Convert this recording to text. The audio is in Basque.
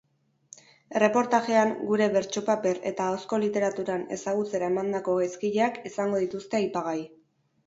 Erreportajean, gure bertsopaper eta ahozko literaturan ezagutzera emandako gaizkileak izango dituzte aipagai.